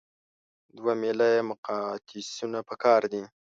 دوه میله یي مقناطیسونه پکار دي.